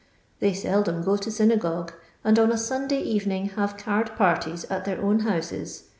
They seldom go to synagogue, and on a Sunday evening have card parties at their own houses.